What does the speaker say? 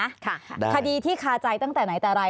เอาไว้ก่อนนะคดีที่คาใจตั้งแต่ไหนแต่ไร